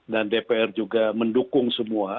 dan dpr juga mendukung semua